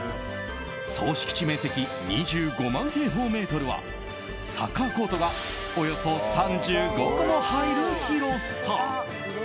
総敷地面積２５万平方メートルはサッカーコートがおよそ３５個も入る広さ。